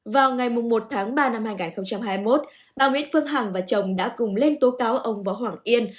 vào ngày một tháng ba năm hai nghìn hai mươi một bà nguyễn phương hằng và chồng đã cùng lên tố cáo ông võ hoàng yên